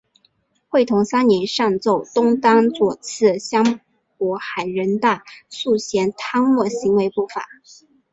会同三年上奏东丹左次相渤海人大素贤贪墨行为不法。